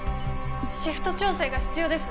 シフト調整が必要です。